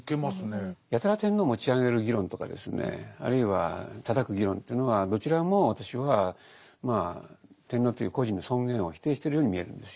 やたら天皇を持ち上げる議論とかですねあるいはたたく議論というのはどちらも私は天皇という個人の尊厳を否定してるように見えるんですよ。